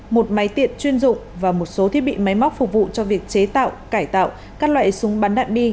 một máy tiện chuyên dụng và một số thiết bị máy móc phục vụ cho việc chế tạo cải tạo các loại súng bắn đạn bi